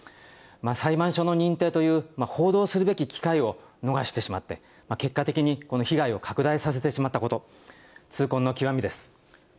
裁判所の認定という報道するべき機会を逃してしまって、結果的にこの被害を拡大してしまったこと、痛恨の極みです。